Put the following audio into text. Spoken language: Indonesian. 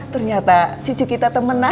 ternyata cucu kita temenan